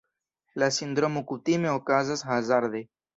La sindromo kutime okazas hazarde.